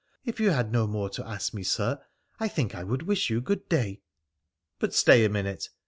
If you had no more to ask me, Sir, I think I would wish you good day.' ' But stay a minute.